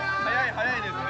早いですね。